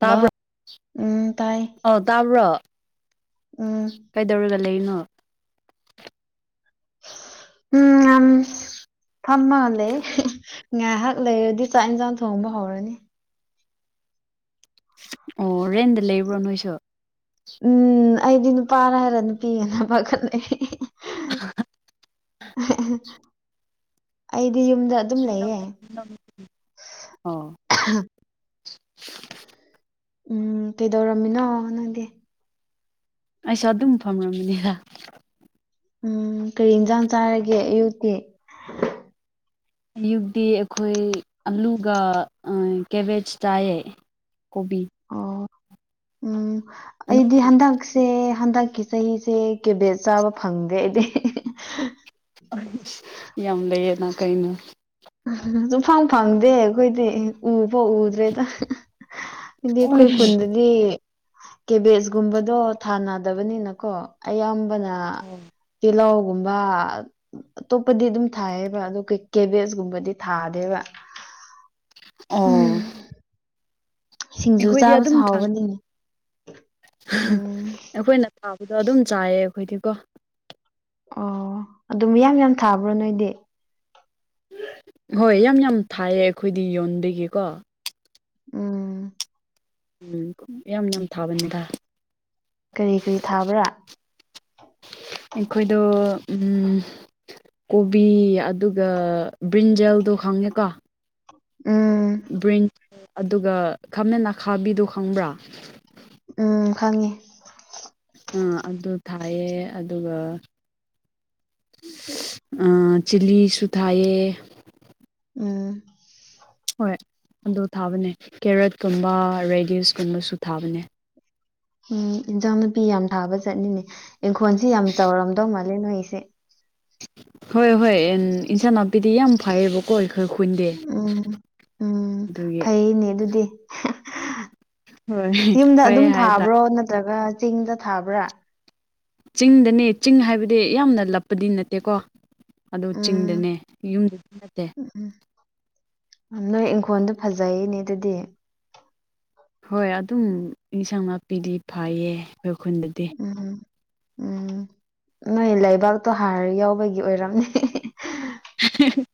ꯇꯥꯕ꯭ꯔ ꯍꯜꯂꯣ ꯎꯝ ꯇꯥꯏ ꯑ ꯇꯕ꯭ꯔꯣ ꯎꯝ ꯀꯩꯗꯧꯔꯒ ꯂꯩꯅꯣ ꯎꯝ ꯑꯝ ꯐꯝꯃꯒ ꯂꯩ ꯉꯥꯏꯍꯥꯛ ꯂꯩꯔꯗꯤ ꯆꯥꯛ ꯏꯟꯁꯥꯡ ꯊꯣꯡꯕ ꯍꯧꯔꯅꯤ ꯑꯣ ꯔꯦꯟꯗ ꯂꯩꯕ꯭ꯔꯣ ꯅꯣꯏꯁꯨ ꯎꯝ ꯑꯩꯗꯤ ꯅꯨꯄꯥꯅ ꯍꯥꯏꯔ ꯅꯨꯄꯤꯒꯅ ꯄꯥꯈꯠꯂ ꯑꯩꯗꯤ ꯌꯨꯝꯗ ꯑꯗꯨꯝ ꯂꯩꯌꯦ ꯑꯣ ꯎꯝ ꯀꯩꯗꯧꯔꯝꯃꯤꯅꯣ ꯅꯪꯗꯤ ꯑꯩꯁꯨ ꯑꯗꯨꯝ ꯐꯝꯃꯤꯅꯤꯗ ꯎꯝ ꯀꯔꯤ ꯏꯟꯁꯥꯡ ꯆꯥꯔꯒꯦ ꯑꯌꯨꯛꯇꯤ ꯑꯌꯨꯛꯇꯤ ꯑꯩꯈꯣꯏ ꯑꯂꯨꯒ ꯀꯦꯕꯦꯖ ꯆꯥꯏꯌꯦ ꯀꯣꯕꯤ ꯑꯣ ꯎꯝ ꯑꯩꯗꯤ ꯍꯟꯗꯛ ꯁꯦ ꯍꯟꯗꯛꯀꯤ ꯆꯍꯤꯁꯦ ꯀꯦꯕꯦꯠ ꯆꯥꯕ ꯐꯪꯗꯦ ꯑꯩꯗꯤ ꯌꯥꯝ ꯂꯩꯌꯦꯅ ꯀꯩꯅꯣ ꯁꯨꯝꯐꯪ ꯐꯪꯗꯦ ꯑꯩꯈꯣꯏꯗꯤ ꯎ ꯐꯥꯎ ꯎꯗ꯭ꯔꯦꯗ ꯗꯤ ꯑꯩꯈꯣꯏ ꯈꯨꯟꯗꯗꯤ ꯀꯦꯕꯦꯁꯒꯨꯝꯕꯗꯣ ꯊꯥꯅꯗꯕꯅꯤꯅꯀꯣ ꯑꯌꯥꯝꯕꯅ ꯑꯣ ꯇꯤꯂꯧꯒꯨꯝꯕ ꯑꯠ ꯑꯇꯣꯞꯄꯗꯤ ꯑꯗꯨꯝ ꯊꯥꯏꯌꯦꯕ ꯑꯗꯨ ꯀꯩ ꯀꯦꯕꯦꯁꯒꯨꯝ ꯕꯗꯤ ꯊꯥꯗꯦꯕ ꯎꯝ ꯑꯣ ꯁꯤꯡꯖꯨ ꯑꯩꯈꯣꯏꯗꯤ ꯆꯥꯕꯁꯨ ꯑꯗꯨꯝ ꯊꯥꯡ ꯍꯥꯎꯕꯅꯤꯅꯦ ꯎꯝ ꯑꯩꯈꯣꯏꯅ ꯊꯥꯕꯗꯣ ꯑꯗꯨꯝ ꯆꯥꯏꯌꯦ ꯑꯩꯈꯣꯏꯗꯤꯀꯣ ꯑꯣ ꯑꯗꯨꯝ ꯌꯥꯝ ꯌꯥꯝ ꯊꯥꯕ꯭ꯔꯣ ꯅꯣꯏꯗꯤ ꯍꯣꯏ ꯌꯥꯝ ꯌꯥꯝ ꯊꯥꯏꯌꯦ ꯑꯩꯈꯣꯏꯗꯤ ꯌꯣꯟꯕꯒꯤꯀꯣ ꯎꯝ ꯎꯝ ꯌꯥꯝ ꯌꯥꯝ ꯊꯥꯕꯅꯤꯗ ꯀꯔꯤ ꯀꯔꯤ ꯊꯥꯕ꯭ꯔꯥ ꯑꯩꯈꯣꯏꯗꯣ ꯎꯝ ꯀꯣꯕꯤ ꯑꯗꯨꯒ ꯕ꯭ꯔꯤꯟꯖꯦꯜꯗꯣ ꯈꯪꯉꯦꯀꯣ ꯎꯝ ꯕ꯭ꯔꯤꯟ ꯑꯗꯨꯒ ꯈꯥꯃꯦꯟ ꯑꯈꯥꯕꯤꯗꯨ ꯈꯪꯕ꯭ꯔꯥ ꯎꯝ ꯈꯪꯉꯤ ꯑꯥ ꯑꯗꯨ ꯊꯥꯏꯌꯦ ꯑꯗꯨꯒ ꯆꯤꯂꯤꯁꯨ ꯊꯥꯏꯌꯦ ꯎꯝ ꯍꯣꯏ ꯑꯗꯨ ꯊꯥꯕꯅꯦ ꯀꯦꯔꯦꯠꯀꯨꯝꯕ ꯔꯦꯗꯤꯁꯀꯨꯝꯕꯁꯨ ꯊꯥꯕꯅꯦ ꯎꯝ ꯏꯟꯖꯥꯡ ꯅꯄꯤ ꯌꯥꯝ ꯊꯥꯕ ꯆꯠꯅꯤꯡꯉꯦ ꯏꯪꯈꯣꯜꯁꯤ ꯌꯥꯝ ꯆꯥꯎꯔꯝꯗꯧ ꯃꯥꯜꯂꯦ ꯅꯣꯏꯒꯤꯁꯦ ꯍꯣꯏ ꯍꯣꯏ ꯑꯦꯟ ꯏꯟꯁꯥꯡ ꯅꯥꯄꯤꯗꯤ ꯌꯥꯝ ꯐꯩꯌꯦꯕ ꯍꯣꯏ ꯈꯔ ꯈꯨꯟꯗꯦ ꯑꯗꯨꯒꯤ ꯑꯩꯅꯦ ꯑꯗꯨꯗꯤ ꯍꯣꯏ ꯌꯨꯝꯗ ꯑꯗꯨꯝ ꯐꯩꯌꯦ ꯍꯥꯏ ꯇꯥꯔꯦ ꯊꯥꯕ꯭ꯔꯣ ꯅꯠꯇ꯭ꯔꯒ ꯆꯤꯡꯗ ꯊꯥꯕ꯭ꯔꯥ ꯆꯤꯡꯗꯅꯦ ꯆꯤꯡ ꯍꯥꯏꯕꯗꯤ ꯌꯥꯝꯅ ꯂꯞꯄꯗꯤ ꯅꯠꯇꯦꯀꯣ ꯑꯗꯨ ꯎꯝ ꯆꯤꯡꯗꯅꯦ ꯌꯨꯝꯗꯗꯤ ꯅꯠꯇꯦ ꯎꯝ ꯅꯣꯏ ꯏꯪꯈꯣꯜꯗꯣ ꯐꯖꯩꯅꯦ ꯑꯗꯨꯗꯤ ꯍꯣꯏ ꯑꯗꯨꯝ ꯏꯟꯁꯥꯡ ꯅꯥꯄꯤꯗꯤ ꯐꯩꯌꯦ ꯈꯣꯏ ꯈꯨꯟꯗꯗꯤ ꯎꯝ ꯎꯝ ꯅꯣꯏ ꯂꯩꯕꯥꯛꯇꯣ ꯍꯥꯔ ꯌꯥꯎꯕꯒꯤ ꯑꯣꯏꯔꯝꯅꯦ [inaudible]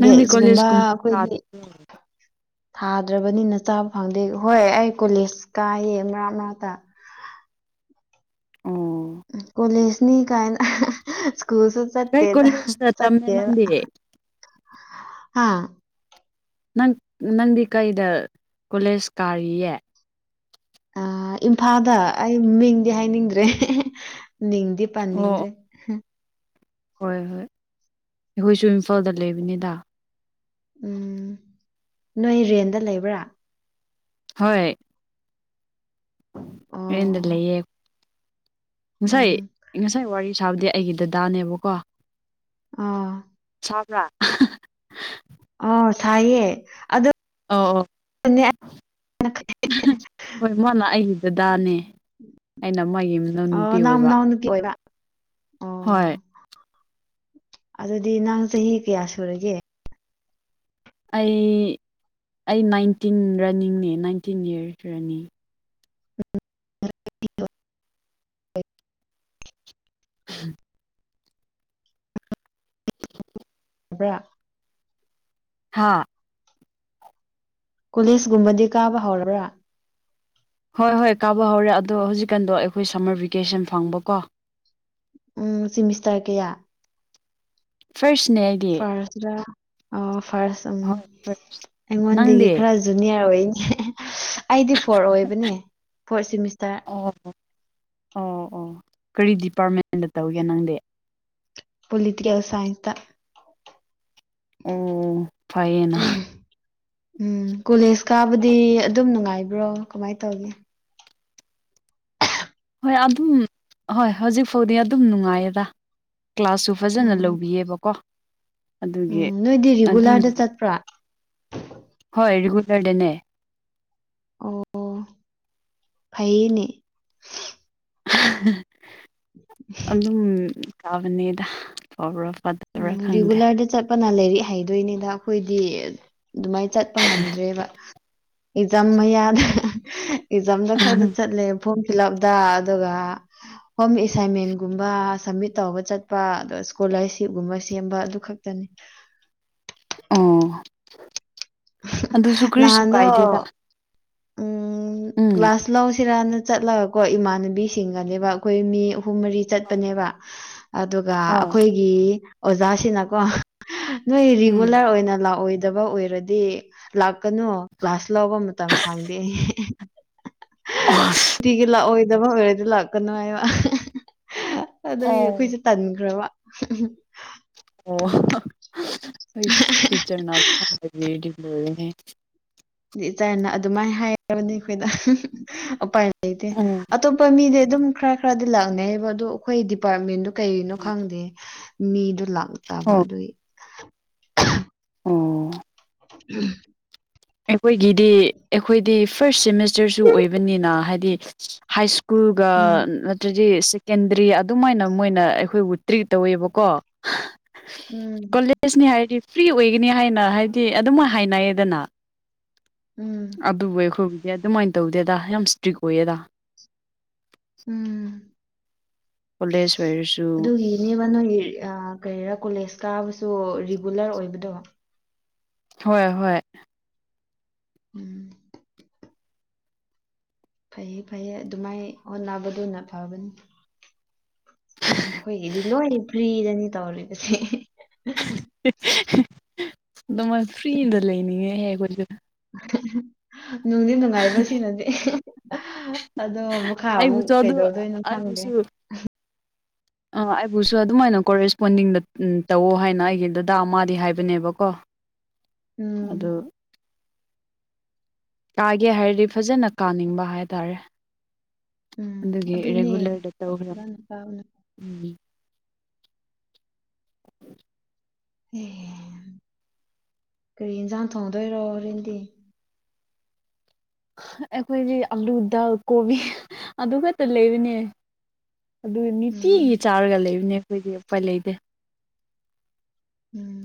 ꯅꯪꯗꯤ ꯀꯣꯂꯦꯖꯀꯨꯝꯕ ꯈꯣꯏꯒꯤ ꯊꯥꯗ꯭ꯔꯕꯅꯤꯅ ꯆꯥꯕ ꯐꯪꯗꯦ ꯍꯣꯏ ꯑꯩ ꯀꯣꯂꯦꯖ ꯀꯥꯌꯦ ꯃꯔꯛ ꯃꯔꯛꯇ ꯑꯣ ꯀꯣꯂꯦꯖꯅꯤ ꯀꯥꯏꯅ ꯁ꯭ꯀꯨꯜꯁꯨ ꯀꯩ ꯆꯠꯇꯦꯗ ꯀꯣꯂꯦꯖꯇ ꯇꯝꯃꯦ ꯆꯠꯇꯦꯕ ꯅꯪꯗꯤ ꯍꯥ ꯅꯪ ꯅꯪꯗꯤ ꯀꯩꯗ ꯀꯣꯂꯦꯖ ꯀꯥꯔꯤꯌꯦ ꯑ ꯏꯝꯐꯥꯜꯗ ꯑꯩ ꯃꯤꯡꯗꯤ ꯍꯥꯏꯅꯤꯡꯗ꯭ꯔꯦ ꯃꯤꯡꯗꯤ ꯑꯣ ꯑꯣ ꯄꯟꯅꯤꯡꯗ꯭ꯔꯦ ꯍꯨꯝ ꯍꯣꯏ ꯍꯣꯏ ꯑꯩꯈꯣꯏꯁꯨ ꯏꯝꯐꯥꯜꯗ ꯂꯩꯕꯅꯤꯗ ꯎꯝ ꯅꯣꯏ ꯔꯦꯟꯗ ꯂꯩꯕ꯭ꯔꯥ ꯍꯣꯏ ꯔꯦꯟꯗ ꯑꯣ ꯂꯩꯌꯦ ꯉꯁꯥꯏ ꯎꯝ ꯉꯁꯥꯏ ꯋꯥꯔꯤ ꯁꯥꯕꯗꯤ ꯑꯩꯒꯤ ꯗꯗꯥꯅꯦꯕꯀꯣ ꯑꯥ ꯇꯥꯕ꯭ꯔꯥ ꯑꯣ ꯊꯥꯏꯌꯦ ꯑꯗꯨ ꯑꯣ ꯑꯣ ꯍꯣꯏ ꯃꯥꯅ ꯑꯩꯒꯤ ꯗꯗꯥꯅꯦ ꯑꯩꯅ ꯃꯥꯒꯤ ꯃꯅꯥꯎ ꯑꯣ ꯅꯨꯄꯤ ꯅꯪ ꯑꯣꯏꯕ ꯃꯅꯥꯎꯅꯨꯄꯤ ꯑꯣꯏꯕꯥ ꯍꯣꯏ ꯑꯗꯨꯗꯤ ꯅꯪ ꯆꯍꯤ ꯀꯌꯥ ꯁꯨꯔꯒꯦ ꯑꯩ ꯑꯩ ꯅꯥꯏꯟꯇꯤꯟ ꯔꯟꯅꯤꯡꯅꯦ ꯅꯥꯏꯟꯇꯤꯟ ꯏꯔꯁ ꯔꯟꯅꯤꯡ [unintelligible] [inaudible] ꯕ꯭ꯔꯥ ꯍꯥꯥ ꯀꯣꯂꯤꯖꯒꯨꯝꯕꯗꯤ ꯀꯥꯕ ꯍꯧꯔꯕꯔꯥ ꯍꯣꯏ ꯍꯣꯏ ꯀꯥꯕ ꯍꯧꯔꯦ ꯑꯗꯣ ꯍꯧꯖꯤꯛꯀꯥꯟꯗꯣ ꯑꯩꯈꯣꯏ ꯁꯝꯃꯔ ꯚꯦꯀꯦꯁꯟ ꯐꯪꯕꯀꯣ ꯎꯝ ꯁꯤꯃꯤꯁꯇꯔ ꯀꯌꯥ ꯐꯥꯔꯁꯅꯦ ꯑꯩꯗꯤ ꯐꯥꯔꯁꯔꯥ ꯎ ꯐꯥꯔꯁ ꯎꯝ ꯍꯣꯏ ꯑꯩꯉꯣꯟꯗꯒꯤ ꯅꯪꯗꯤ ꯈꯔ ꯖꯨꯅꯤꯌꯔ ꯑꯣꯏꯅꯦ ꯑꯩꯗꯤ ꯐꯣꯔ ꯑꯣꯏꯕꯅꯦ ꯐꯣꯔꯠ ꯁꯤꯃꯤꯁꯇꯔ ꯑꯣ ꯑꯣ ꯑꯣ ꯀꯔꯤ ꯗꯤꯄꯥꯔꯠꯃꯦꯟꯗ ꯇꯧꯒꯦ ꯅꯪꯗꯤ ꯄꯣꯂꯤꯇꯤꯀꯦꯜ ꯁꯥꯏꯟꯁꯇ ꯑꯣ ꯐꯩꯌꯦꯅ ꯎꯝ ꯀꯣꯂꯦꯖ ꯀꯥꯕꯗꯤ ꯑꯗꯨꯝ ꯅꯨꯡꯉꯥꯏꯕ꯭ꯔꯣ ꯀꯃꯥꯏ ꯇꯧꯒꯦ ꯍꯣꯏ ꯑꯗꯨꯝ ꯍꯣꯏ ꯍꯧꯖꯤꯛ ꯐꯥꯎꯗꯤ ꯑꯗꯨꯝ ꯅꯨꯡꯉꯥꯏꯌꯦꯗ ꯀ꯭ꯂꯥꯁꯁꯨ ꯐꯖꯅ ꯎꯝ ꯂꯧꯕꯤꯌꯦꯕꯀꯣ ꯑꯗꯨꯒꯤ ꯎꯝ ꯅꯣꯏꯗꯤ ꯑꯗꯨꯝ ꯔꯤꯒꯨꯂꯔꯗ ꯆꯠꯄ꯭ꯔꯥ ꯍꯣꯏ ꯔꯤꯒꯨꯂꯔꯗꯅꯦ ꯑꯣ ꯐꯩꯅꯦ ꯑꯗꯨꯝ ꯐꯥꯕꯅꯦꯗ ꯐꯥꯕꯔꯥ ꯐꯇ ꯎꯝ ꯔꯤꯒꯨꯂꯔꯗ ꯆꯠꯄꯅ ꯂꯥꯏꯔꯤꯛ ꯍꯩꯗꯣꯏꯅꯤꯗ ꯑꯈꯣꯏꯗꯤ ꯗꯨꯃꯥꯏ ꯆꯠꯄ ꯉꯝꯗ꯭ꯔꯦꯕ ꯏꯖꯝ ꯃꯌꯥꯗ ꯏꯖꯝꯗ ꯈꯔꯗ ꯆꯠꯂꯦꯕ ꯐꯣꯝ ꯐꯤꯜꯂꯞꯗ ꯑꯗꯨꯒ ꯍꯣꯝ ꯑꯦꯁꯥꯏꯟꯃꯦꯟꯒꯨꯝꯕ ꯁꯝꯃꯤꯠ ꯇꯧꯕ ꯆꯠꯄ ꯑꯗꯣ ꯁ꯭ꯀꯣꯂꯔꯁꯤꯞ ꯒꯨꯝꯕ ꯁꯦꯝꯕ ꯑꯗꯨ ꯈꯛꯇꯅꯤ ꯑꯣ ꯑꯗꯨꯁꯨ ꯀꯔꯤꯁꯨ ꯅꯍꯥꯟꯗꯣ ꯀꯥꯏꯗꯦꯗ ꯎꯝ ꯎꯝ ꯀ꯭ꯂꯥꯁ ꯂꯧ ꯁꯤꯔꯥꯟꯅ ꯆꯠꯂꯒꯀꯣ ꯏꯃꯥꯟꯅꯕꯤꯁꯤꯡꯒꯅꯦꯕ ꯑꯩꯈꯣꯏ ꯃꯤ ꯍꯍꯨꯝ ꯃꯔꯤ ꯆꯠꯄꯅꯦꯕ ꯑꯗꯨꯒ ꯑꯥ ꯑꯩꯈꯣꯏꯒꯤ ꯑꯣꯖꯥꯁꯤꯅꯀꯣ ꯅꯣꯏ ꯎꯝ ꯔꯤꯒꯨꯂꯔ ꯑꯣꯏꯅ ꯂꯥꯛꯑꯣꯏꯗꯕ ꯑꯣꯏꯔꯗꯤ ꯑꯗꯨꯗꯤ ꯂꯥꯛꯀꯅꯨ ꯀ꯭ꯂꯥꯁ ꯂꯧꯕ ꯃꯇꯝ ꯁꯥꯡꯗꯦ ꯑꯩ ꯑꯁ ꯅꯨꯡꯇꯤꯒꯤ ꯂꯥꯛꯑꯣꯏꯗꯕ ꯑꯣꯏꯔꯗꯤ ꯂꯥꯛꯀꯅꯨ ꯍꯥꯏꯕ ꯑꯗꯨꯗꯒꯤ ꯑꯩꯈꯣꯏ ꯑꯣ ꯆ ꯇꯟꯒ꯭ꯔꯕ ꯑꯣ ꯇꯤꯆꯔ [unintelligible] ꯑꯗꯨꯃꯥꯏꯅ ꯍꯥꯏꯕꯅꯤ ꯑꯈꯣꯏꯗ ꯎꯄꯥꯏ ꯂꯩꯇꯦ ꯎꯝ ꯑꯇꯣꯞꯄ ꯃꯤꯗꯤ ꯑꯗꯨꯝ ꯈꯔ ꯈꯔꯗꯤ ꯂꯥꯛꯅꯩꯌꯦꯕ ꯑꯗꯨꯗꯣ ꯑꯩꯈꯣꯏ ꯗꯤꯄꯥꯔꯠꯃꯦꯟꯗꯨ ꯀꯩꯅꯣ ꯈꯪꯗꯦ ꯃꯤꯗꯨ ꯂꯥꯛꯇꯕ ꯑꯣ ꯑꯗꯨꯏ ꯑꯣ [inaudible] ꯑꯩꯈꯣꯏꯒꯤꯗꯤ ꯑꯩꯈꯣꯏꯗꯤ ꯐꯥꯔꯁ ꯁꯦꯃꯤꯁꯇꯔꯁꯨ ꯑꯣꯏꯕꯅꯤꯅ ꯍꯥꯏꯗꯤ ꯍꯥꯏ ꯁꯨ ꯁ꯭ꯀꯨꯜꯒ ꯎꯝ ꯅꯠꯇ꯭ꯔꯗꯤ ꯀꯦꯟꯗ꯭ꯔꯤ ꯑꯗꯨꯃꯥꯏꯅ ꯃꯣꯏꯅ ꯑꯩꯈꯣꯏꯕꯨ ꯇ꯭ꯔꯤꯠ ꯇꯧꯋꯦꯕꯀꯣ ꯎꯝ ꯍꯥꯏꯗꯤ ꯐ꯭ꯔꯤ ꯑꯣꯏꯒꯅꯤ ꯍꯥꯏꯅ ꯍꯥꯏꯗꯤ ꯑꯗꯨꯝ ꯍꯥꯏꯅꯩꯌꯦꯗꯅ ꯎꯝ ꯑꯗꯨꯕꯨ ꯑꯩꯈꯣꯏꯕꯨꯗꯤ ꯑꯗꯨꯃꯥꯏꯅ ꯇꯧꯗꯦꯗ ꯌꯥꯝ ꯏꯁꯇ꯭ꯔꯤꯛ ꯑꯣꯏꯌꯦꯗ ꯎꯝ ꯀꯣꯂꯦꯖ ꯑꯣꯏꯔꯁꯨ ꯑꯗꯨ ꯌꯦꯅꯦꯕ ꯅꯣꯏ ꯀꯔꯤꯔꯥ ꯀꯣꯂꯦꯖ ꯀꯥꯕꯁꯨ ꯔꯤꯒꯨꯂꯔ ꯑꯣꯏꯕꯗꯧꯕ ꯍꯣꯏ ꯍꯣꯏ ꯎꯝ ꯐꯩꯌꯦ ꯐꯩꯌꯦ ꯑꯗꯨꯃꯥꯏ ꯍꯣꯠꯅꯕꯗꯨꯅ ꯐꯕꯅꯤ ꯑꯩꯈꯣꯏꯒꯤꯗꯤ ꯂꯣꯏ ꯐ꯭ꯔꯤꯗꯅꯤ ꯇꯧꯔꯤꯕꯁꯦ ꯑꯗꯨ ꯐ꯭ꯔꯤꯗ ꯂꯩꯅꯤꯡꯉꯦꯍ ꯑꯩꯈꯣꯏꯁꯨ ꯅꯣꯡꯗꯤ ꯅꯨꯡꯉꯥꯏ ꯁꯤꯅꯗꯤꯦ ꯑꯗꯣ ꯃꯈꯥ ꯑꯃꯨꯛ ꯑꯩꯕꯨꯁꯨ ꯑꯗꯨ ꯀꯩꯗꯧꯗꯣꯏꯅꯣ ꯈꯪꯗꯦ [inaudible] ꯑ ꯑꯩꯕꯨꯁꯨ ꯑꯗꯨꯃꯥꯏꯅ ꯀꯣꯔꯦꯁꯄꯣꯟꯗꯤꯡꯗ ꯇꯧꯑꯣ ꯍꯥꯏꯅ ꯑꯩꯒꯤ ꯑꯗꯨꯗꯥ ꯑꯃꯗꯤ ꯍꯥꯏꯕꯅꯦꯕꯀꯣ ꯎꯝ ꯑꯗꯣ ꯀꯥꯒꯦ ꯍꯥꯏꯔꯗꯤ ꯐꯖꯅ ꯀꯥꯅꯤꯡꯕ ꯍꯥꯏꯇꯥꯔꯦ ꯎꯝ ꯑꯗꯨꯒꯤ ꯑꯗꯨꯅꯦ ꯔꯦꯒꯨꯂꯔꯗ ꯇꯧꯈ꯭ꯔꯥ ꯐꯖꯅ ꯀꯥꯕꯅ ꯎꯝ ꯑꯦ ꯀꯔꯤ ꯌꯦꯟꯁꯥꯡ ꯊꯣꯡꯗꯣꯏꯔꯣ ꯍꯣꯔꯦꯟꯗꯤ ꯑꯩꯈꯣꯏꯗꯤ ꯑꯂꯨ ꯗꯥꯜ ꯀꯣꯕꯤ ꯑꯗꯨ ꯈꯛꯇ ꯂꯩꯕꯅꯦ ꯑꯗꯨ ꯎꯝ ꯅꯨꯡꯇꯤꯒꯤ ꯆꯥꯔꯒ ꯂꯩꯕꯅꯦ ꯑꯩꯈꯣꯏꯗꯤ ꯎꯄꯥꯏ ꯂꯩꯇꯦ ꯎꯝ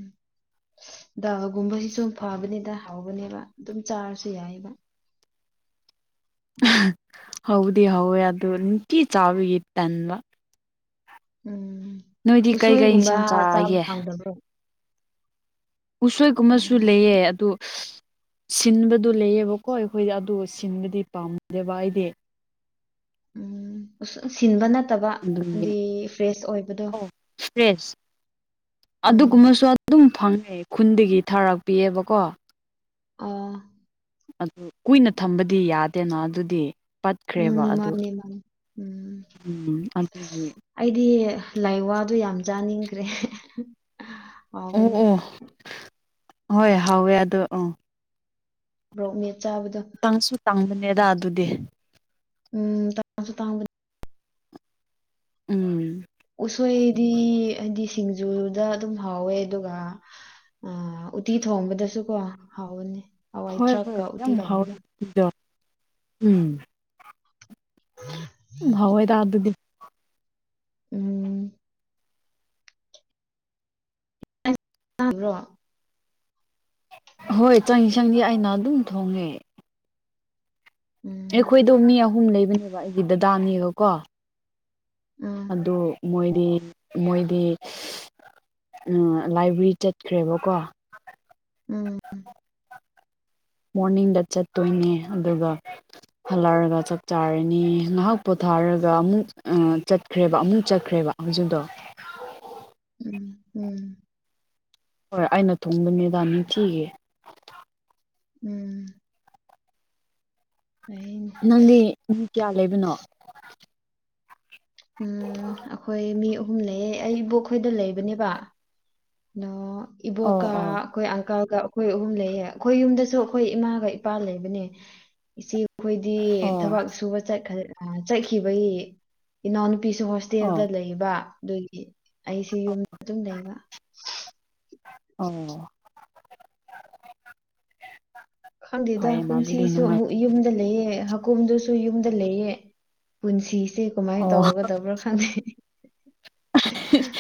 ꯗꯥꯒꯨꯝꯕꯁꯤꯁꯨ ꯐꯕꯅꯤꯗ ꯍꯥꯎꯕꯅꯦꯕ ꯑꯗꯨꯝ ꯆꯥꯔꯁꯨ ꯌꯥꯏꯕ ꯍꯗꯤ ꯍꯧꯋꯦ ꯑꯗꯨ ꯅꯤꯡꯅꯨꯡꯇꯤ ꯆꯥꯕꯤꯒꯤ ꯇꯟꯕ ꯎꯝ ꯅꯣꯏꯗꯤ ꯀꯩꯀꯩ ꯎꯁꯣꯏꯒꯨꯝꯕ ꯏꯟꯁꯥꯡ ꯆꯥꯕ ꯆꯥꯒꯦ ꯍꯥꯡꯗꯕ꯭ꯔꯣ ꯎꯁꯣꯏꯒꯨꯝꯕꯁꯨ ꯂꯩꯑ ꯑꯗꯨ ꯁꯤꯟꯕꯗꯨ ꯂꯩꯌꯦꯕꯀꯣ ꯑꯩꯈꯣꯏꯗꯤ ꯑꯗꯨ ꯁꯤꯟꯕꯗꯤ ꯄꯥꯝꯅꯗꯦꯕ ꯑꯩꯗꯤ ꯎꯝ ꯁꯤꯟꯕ ꯅꯠꯇꯕ ꯑꯗꯨꯒꯤ ꯍꯥꯏꯗꯤ ꯐ꯭ꯔꯦꯁ ꯑꯣꯏꯕꯗꯣ ꯑꯣ ꯐ꯭ꯔꯦꯁ ꯎꯝ ꯑꯗꯨꯒꯨꯝꯕꯁꯨ ꯑꯗꯨꯝ ꯐꯪꯉꯦ ꯈꯨꯟꯗꯒꯤ ꯊꯥꯔꯛꯄꯤꯑꯕꯀꯣ ꯑꯥ ꯑꯗꯨ ꯀꯨꯏꯅ ꯊꯝꯕꯗꯤ ꯌꯥꯗꯦꯅ ꯑꯗꯨꯗꯤ ꯄꯠꯈ꯭ꯔꯦꯕ ꯎꯝ ꯑꯗꯨ ꯃꯥꯅꯦ ꯃꯥꯅꯦ ꯎꯝ ꯎꯝ ꯑꯗꯨꯒꯤ ꯑꯩꯗꯤ ꯂꯥꯏ ꯋꯥꯗꯨ ꯌꯥꯝ ꯆꯥꯅꯤꯡꯈ꯭ꯔꯦ ꯑꯣ ꯍꯥꯎꯕꯅꯤ ꯑꯣ ꯍꯣꯏ ꯍꯥꯎꯋꯦ ꯑꯗꯣ ꯑꯣ ꯕꯣꯛꯅꯦꯠ ꯆꯥꯕꯗꯣ ꯇꯪꯁꯨ ꯇꯥꯡꯕꯅꯦꯗ ꯑꯗꯨꯗꯤ ꯎꯝ ꯇꯥꯡꯁꯨ ꯇꯥꯡꯕꯗ ꯎꯝ ꯎꯁꯣꯏꯗꯤ ꯍꯥꯏꯗꯤ ꯁꯤꯡꯖꯨꯗ ꯑꯗꯨꯝ ꯍꯥꯎꯋꯦ ꯑꯗꯨꯒꯥ ꯑ ꯎꯇꯤ ꯊꯣꯡꯕꯗꯁꯨꯀꯣ ꯍꯥꯎꯕꯅꯤ ꯍꯋꯥꯏ ꯍꯣꯏ ꯍꯣꯏ ꯊ꯭ꯔꯥꯛꯀ ꯎꯇꯤ ꯌꯥꯝ ꯍꯥꯎꯋꯦ ꯇꯧꯕꯗ ꯏꯛꯗꯣ ꯎꯝ ꯍꯥꯎꯋꯦꯗ ꯑꯗꯨꯗꯤ ꯎꯝ ꯇꯥꯕ꯭ꯔꯣ ꯍꯣꯏ ꯆꯪꯏ ꯆꯪꯁꯤ ꯑꯩꯅ ꯑꯗꯨꯝ ꯊꯣꯡꯉꯦ ꯎꯝ ꯑꯩꯈꯣꯏꯗꯣ ꯃꯤ ꯑꯍꯨꯝ ꯂꯩꯕꯅꯦꯕ ꯑꯩꯒꯤ ꯗꯗꯥꯅꯦꯕꯀꯣ ꯎꯝ ꯑꯗꯨ ꯃꯣꯏꯗꯤ ꯃꯣꯏꯗꯤ ꯎ ꯂꯥꯏꯕ꯭ꯔꯦꯔꯤ ꯆꯠꯈ꯭ꯔꯦꯕꯀꯣ ꯎꯝ ꯃꯣꯔꯅꯤꯡꯗ ꯆꯠꯇꯣꯏꯅꯦ ꯑꯗꯨꯒ ꯍꯜꯂꯛꯔꯒ ꯆꯥꯛ ꯆꯥꯔꯅꯤ ꯉꯥꯏꯍꯥꯛ ꯄꯣꯊꯥꯔꯒ ꯑꯃꯨꯛ ꯆꯠꯈ꯭ꯔꯦꯕ ꯑꯃꯨꯛ ꯆꯠꯈ꯭ꯔꯦꯕ ꯍꯧꯖꯤꯛꯗꯣ ꯎꯝ ꯎꯝ ꯍꯣꯏ ꯑꯩꯅ ꯊꯣꯡꯕꯅꯤꯗꯥ ꯅꯤꯡꯊꯤꯒꯦ ꯎꯝ ꯑꯩ ꯅꯪꯗꯤ ꯃꯤ ꯀꯌꯥ ꯂꯩꯕꯅꯣ ꯎꯝ ꯑꯩꯈꯣꯏ ꯃꯤ ꯑꯍꯨꯝ ꯂꯩꯌꯦ ꯑꯩ ꯏꯕꯣꯛ ꯈꯣꯏꯗ ꯂꯩꯕꯅꯦꯕ ꯅꯣ ꯑꯣ ꯏꯕꯣꯛꯀ ꯑꯣ ꯑꯩꯈꯣꯏ ꯑꯪꯀꯜꯒ ꯑꯩꯈꯣꯏ ꯑꯍꯨꯝ ꯂꯩꯌꯦ ꯑꯩꯈꯣꯏ ꯌꯨꯝꯗꯁꯨ ꯑꯩꯈꯣꯏ ꯏꯃꯥꯒ ꯏꯄꯥ ꯂꯩꯕꯅꯦ ꯏꯆꯦ ꯑꯩꯈꯣꯏꯗꯤ ꯑꯣ ꯊꯕꯛ ꯁꯨꯕ ꯆꯠꯈ ꯑ ꯆꯠꯈꯤꯕꯒꯤ ꯏꯅꯥꯎꯅꯨꯄꯤꯁꯨ ꯍꯣꯁ ꯑꯣ ꯇꯦꯜꯗ ꯂꯩꯕ ꯑꯗꯨꯒꯤ ꯑꯩꯁꯤ ꯌꯨꯝꯗ ꯑꯗꯨꯝ ꯂꯩꯕ ꯑꯣ ꯈꯪꯗꯦꯗ ꯐꯩꯌꯦꯅ ꯑꯗꯨꯗꯤ ꯀꯨꯝꯁꯤꯁꯨ ꯅꯨꯡꯉꯥꯏ ꯑꯃꯨꯛ ꯌꯨꯝꯗ ꯂꯩꯌꯦ ꯍꯀꯨꯝꯗꯨꯁꯨ ꯌꯨꯝꯗ ꯂꯩꯑꯦ ꯄꯨꯟꯁꯤꯁꯦ ꯀꯃꯥꯏ ꯑꯣ ꯇꯧꯒꯗꯕ꯭ꯔꯥ ꯈꯪꯗꯦ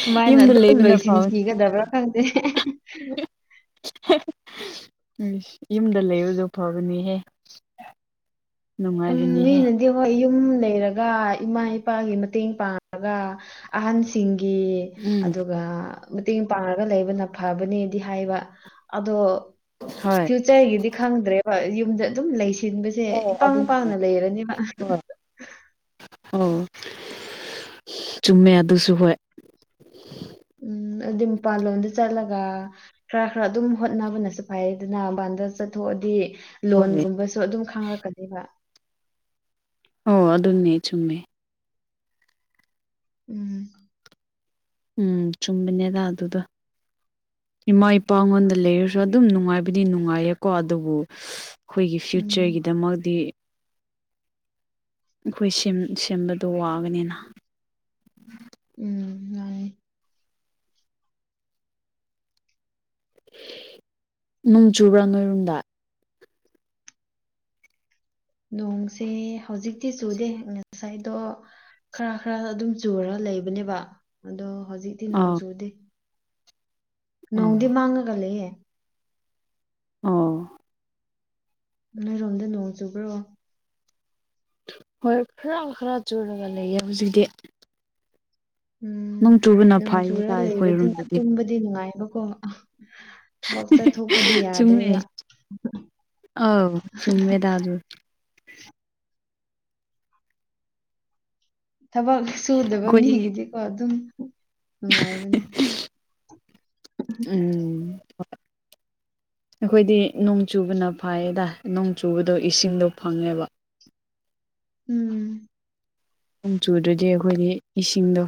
ꯁꯨꯃꯥꯏꯅ ꯌꯨꯝꯗ ꯑꯗꯨꯝ ꯂꯩꯕꯅ ꯐꯕꯅꯤ ꯂꯣꯏꯁꯤꯟꯈꯤꯒꯗꯕ꯭ꯔꯥ ꯈꯪꯗꯦ ꯎꯝ ꯌꯨꯝꯗ ꯂꯩꯔꯖꯨ ꯐꯕꯅꯤꯍꯦ ꯎꯝ ꯅꯨꯡꯉꯥꯏꯕꯅꯤꯍꯦ ꯃꯤꯅꯗꯤ ꯍꯣꯏ ꯌꯨꯝ ꯂꯩꯔꯒ ꯏꯃꯥ ꯏꯄꯥꯒꯤ ꯃꯇꯦꯡ ꯄꯥꯡꯉꯒ ꯑꯍꯟꯁꯤꯡꯒꯤ ꯎꯝ ꯑꯗꯨꯒ ꯃꯇꯦꯡ ꯄꯥꯡꯔꯒ ꯂꯩꯕꯅ ꯐꯕꯅꯦꯗꯤ ꯍꯥꯏꯕ ꯑꯗꯣ ꯍꯣꯏ ꯄꯣꯠꯆꯩꯒꯤꯗꯤ ꯈꯪꯗ꯭ꯔꯦꯕ ꯌꯨꯝꯗ ꯑꯗꯨꯝ ꯂꯩꯁꯤꯟꯕꯁꯦ ꯏꯄꯥꯡ ꯑꯗꯨꯅꯦ ꯄꯥꯡꯅ ꯂꯩꯔꯅꯦꯕ ꯍꯣꯏ ꯑꯣ ꯆꯨꯝꯃꯦ ꯑꯗꯨꯁꯨ ꯍꯣꯏ ꯎꯝ ꯑꯗꯨꯏ ꯃꯄꯥꯥꯜ ꯂꯣꯝꯗ ꯆꯠꯂꯒ ꯈꯔ ꯈꯔ ꯑꯗꯨꯝ ꯍꯣꯠꯅꯕꯅꯁꯨ ꯐꯩꯌꯦꯗꯅ ꯃꯄꯥꯟꯗ ꯆꯠꯊꯣꯛꯑꯗꯤ ꯍꯣꯏ ꯂꯣꯟꯒꯨꯝꯕꯁꯨ ꯑꯗꯨꯝ ꯈꯡꯔꯛꯀꯅꯦꯕ ꯑꯣ ꯑꯗꯨꯅꯦ ꯆꯨꯝꯃꯦ ꯎꯝ ꯎꯝ ꯆꯨꯝꯕꯅꯦꯗ ꯑꯗꯨꯗꯣ ꯏꯃꯥ ꯏꯄꯥꯉꯣꯟꯗ ꯂꯩꯔꯁꯨ ꯑꯗꯨꯝ ꯅꯨꯡꯉꯥꯏꯕꯗꯤ ꯅꯨꯡꯉꯥꯏꯌꯦꯀꯣ ꯑꯗꯨꯕꯨ ꯑꯩꯈꯣꯏꯒꯤ ꯎꯝ ꯐ꯭ꯌꯨꯆꯔꯒꯤꯗꯃꯛꯇꯤ ꯑꯩꯈꯣꯏ ꯁꯦꯝꯕꯗꯣ ꯋꯥꯒꯅꯤꯅ ꯎꯝ ꯃꯥꯅꯤ ꯅꯣꯡ ꯆꯨꯕ꯭ꯔꯥ ꯅꯣꯏꯔꯣꯝꯗ ꯅꯣꯡꯁꯦ ꯍꯧꯖꯤꯛꯇꯤ ꯆꯨꯗꯦ ꯉꯁꯥꯏꯗꯣ ꯈꯔ ꯈꯔ ꯑꯗꯨꯝ ꯆꯨꯔ ꯂꯩꯕꯅꯦꯕ ꯑꯗꯣ ꯍꯧꯖꯤꯛꯇꯤ ꯅꯣꯡ ꯑꯥ ꯆꯨꯗꯦ ꯅꯣꯡꯗꯤ ꯑꯥ ꯃꯥꯡꯉꯒ ꯂꯩꯌꯦ ꯑꯥ ꯅꯣꯏꯔꯣꯝꯗ ꯅꯣꯡ ꯆꯨꯕ꯭ꯔꯣ ꯍꯣꯏ ꯈꯔ ꯈꯔ ꯆꯨꯔꯒ ꯂꯩꯌꯦ ꯍꯧꯖꯤꯛꯇꯤ ꯅꯣꯡ ꯆꯨꯕꯅ ꯎꯝ ꯆꯖꯨꯔꯥ ꯐꯩꯌꯦꯗ ꯂꯩꯕꯒꯤ ꯑꯩꯈꯣꯏꯔꯣꯝꯗꯗꯤ ꯑꯗꯨꯗꯤ ꯅꯨꯡꯉꯥꯏꯕꯀꯣ ꯊꯕꯛ ꯆꯠꯊꯣꯛꯄꯗꯤ ꯌꯥꯗ꯭ꯔꯦꯕ ꯑꯧ ꯆꯨꯨꯝꯃꯦꯗꯥꯥ ꯑꯗꯨ ꯊꯕꯛ ꯁꯨꯗꯕ ꯑꯩꯈꯣꯏꯗꯤ ꯃꯤꯒꯤꯗꯤꯀꯣ ꯑꯗꯨꯝ ꯅꯨꯡꯉꯥꯏꯕꯅꯤ ꯎꯝ ꯑꯩꯈꯣꯏꯗꯤ ꯅꯣꯡ ꯆꯨꯕꯅ ꯐꯩꯌꯦꯗ ꯅꯣꯡ ꯆꯨꯕꯗꯣ ꯏꯁꯤꯡꯗꯣ ꯐꯪꯉꯦꯕ ꯎꯝ ꯅꯣꯡ ꯆꯨꯗ꯭ꯔꯗꯤ ꯑꯩꯈꯣꯏꯗꯤ ꯏꯁꯤꯡꯗꯣ